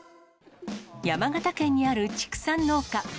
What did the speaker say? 山形県にある畜産農家。